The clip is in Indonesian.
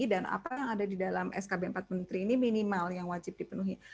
apa yang ada di dalam skb empat menteri ini minimal yang wajib dipenuhi